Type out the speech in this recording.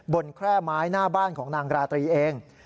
แคร่ไม้หน้าบ้านของนางราตรีเอง